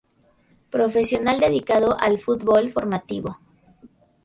Profesional dedicado al fútbol formativo.